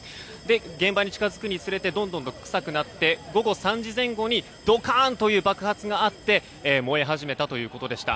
現場に近づくにつれてどんどん臭くなって午後３時前後にドカーンという爆発があって燃え始めたということでした。